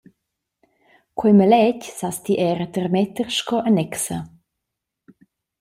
Quei maletg sas ti era tarmetter sco annexa.